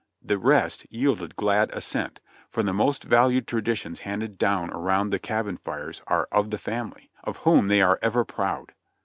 The rest yielded glad assent, for the most valued traditions handed down around the cabin fires are of the family, of whom they are ever proud.